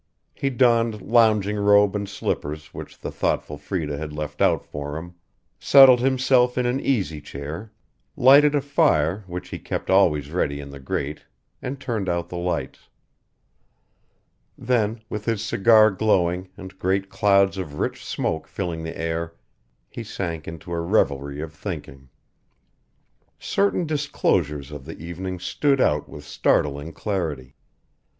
He donned lounging robe and slippers which the thoughtful Freda had left out for him, settled himself in an easy chair, lighted a fire which he kept always ready in the grate and turned out the lights. Then, with his cigar glowing and great clouds of rich smoke filling the air he sank into a revelry of thinking. Certain disclosures of the evening stood out with startling clarity.